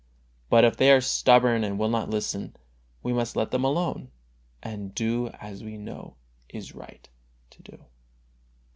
But if they are stubborn and will not listen, we must let them alone, and do as we know it is right to do.